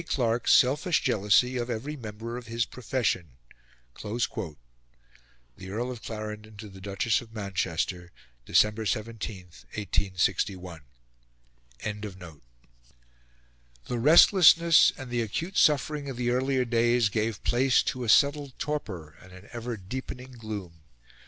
Clark's selfish jealousy of every member of his profession." The Earl of Clarendon to the Duchess of Manchester, December 17, 1861. The restlessness and the acute suffering of the earlier days gave place to a settled torpor and an ever deepening gloom.